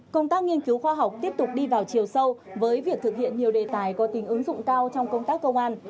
công tác nghiên cứu khoa học tiếp tục đi vào chiều sâu với việc thực hiện nhiều đề tài có tính ứng dụng cao trong công tác công an